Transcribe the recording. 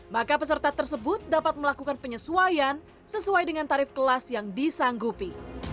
maka peserta tersebut dapat melakukan penyesuaian sesuai dengan tarif kelas yang disanggupi